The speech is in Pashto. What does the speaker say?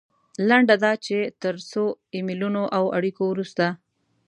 لنډه دا چې تر څو ایمیلونو او اړیکو وروسته.